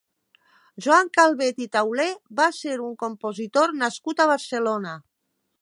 Joan Calvet i Taulé va ser un compositor nascut a Barcelona.